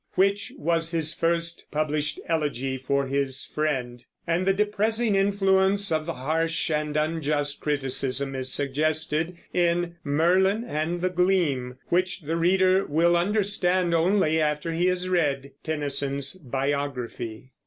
which was his first published elegy for his friend; and the depressing influence of the harsh and unjust criticism is suggested in "Merlin and The Gleam," which the reader will understand only after he has read Tennyson's biography.